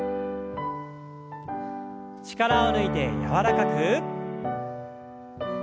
力を抜いて柔らかく。